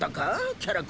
キャラ公？